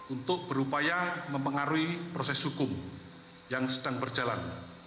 untuk berupaya mempengaruhi proses hukum yang sedang berjalan